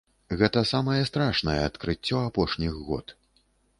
Гэта самае страшнае адкрыццё апошніх год.